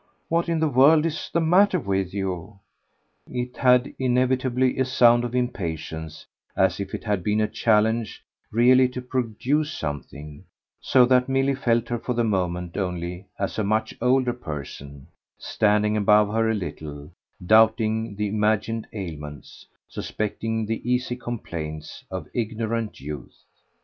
"What in the world is the matter with you?" It had inevitably a sound of impatience, as if it had been a challenge really to produce something; so that Milly felt her for the moment only as a much older person, standing above her a little, doubting the imagined ailments, suspecting the easy complaints, of ignorant youth.